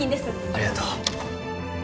ありがとう・